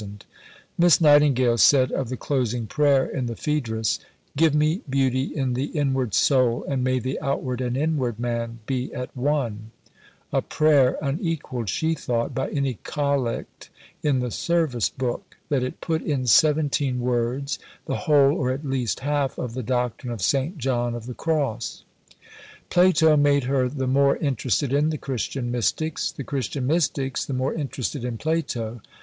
Miss Nightingale said of the closing prayer in the Phaedrus "Give me beauty in the inward soul, and may the outward and inward man be at one" a prayer unequalled, she thought, by any Collect in the service book that it "put in seventeen words the whole, or at least half, of the doctrine of St. John of the Cross." Plato made her the more interested in the Christian Mystics; the Christian Mystics, the more interested in Plato.